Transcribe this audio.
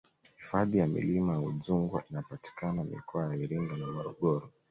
hifadhi ya milima ya udzungwa inapatikana mikoa ya iringa na morogoro